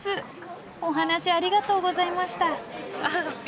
お話ありがとうございました。